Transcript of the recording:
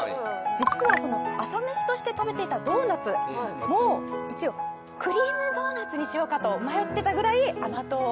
実は朝メシとして食べていたドーナツも一応クリームドーナツにしようかと迷ってたぐらい甘党。